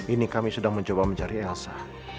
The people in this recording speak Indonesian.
ini kami sedang mencoba mencari elsa